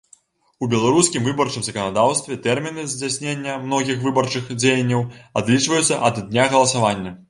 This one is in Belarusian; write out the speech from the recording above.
У беларускім выбарчым заканадаўстве тэрміны здзяйснення многіх выбарчых дзеянняў адлічваюцца ад дня галасавання.